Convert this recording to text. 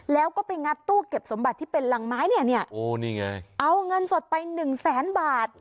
แล้วก็ไปงัดตู้เก็บสมบัติที่เป็นหลังไม้เนี่ยเอาเงินสดไป๑๐๐๐๐๐บาท